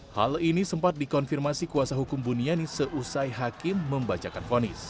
hal ini sempat dikonfirmasi kuasa hukum buniani seusai hakim membacakan fonis